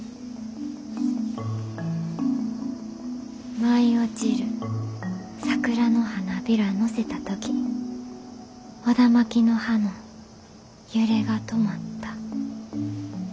「舞い落ちる桜の花片乗せたときオダマキの葉の揺れが止まった」。